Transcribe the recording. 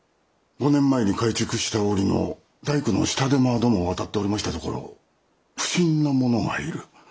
５年前に改築した折の大工の下手間どもをあたっておりましたところ不審な者がいる。